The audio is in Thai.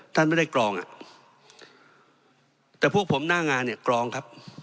ท่านไม่ได้กรองอ่ะแต่พวกผมหน้างานเนี่ยกรองครับ